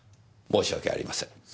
申し訳ありません。